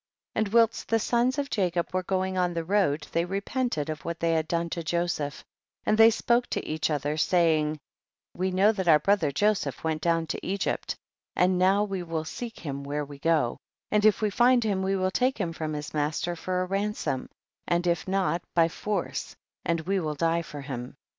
6. And whilst the sons of Jacob were going on the road, they repent ed of what they had done to Joseph, and they spoke to each other, saying, we know that our brothei Joseph went down to Egypt, and now we will seek him where we go, and if we find him we will take him from his master for a ransom, and if not, by force, and we will die for him.